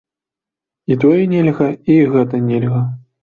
І тое нельга, і гэта нельга.